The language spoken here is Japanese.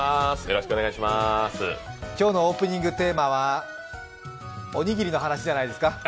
今日のオープニングテーマはおにぎりの話じゃないですか？